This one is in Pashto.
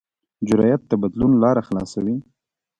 جرأت د بدلون لاره خلاصوي.